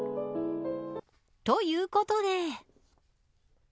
ということで。